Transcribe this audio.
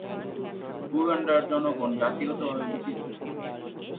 উগান্ডার জনগণ জাতিগতভাবে বিচিত্র।